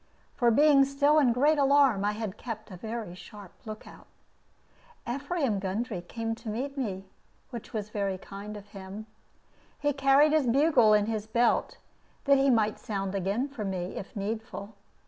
For being still in great alarm, I had kept a very sharp lookout. Ephraim Gundry came to meet me, which was very kind of him. He carried his bugle in his belt, that he might sound again for me, if needful.